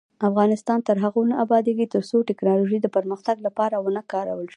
افغانستان تر هغو نه ابادیږي، ترڅو ټیکنالوژي د پرمختګ لپاره ونه کارول شي.